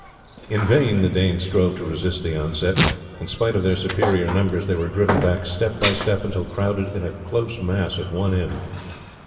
In vain the Danes strove to resist the onset; in spite of their superior numbers they were driven back step by step until crowded in a close mass at one end.